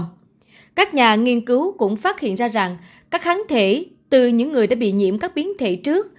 ngoài các nhà nghiên cứu cũng phát hiện ra rằng các kháng thể từ những người đã bị nhiễm các biến thể trước